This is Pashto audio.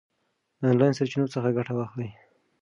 د آنلاین سرچینو څخه ګټه واخلئ.